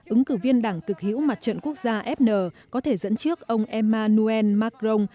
ứng cử viên đảng cực hữu mặt trận quốc gia fn có thể dẫn trước ông emmanuel macron